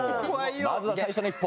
まずは最初の一歩。